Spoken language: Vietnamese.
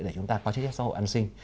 để chúng ta có chất xác xã hội ăn sinh